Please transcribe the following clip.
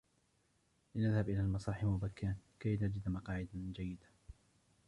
لنذهب إلى المسرح مبكرا كي نجد مقاعدا جيدة.